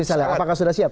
apakah sudah siap